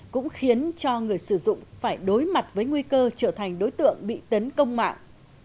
cũng khiến cho người sử dụng phải đối mặt với nguy cơ trở thành đối tượng bị tấn công mạng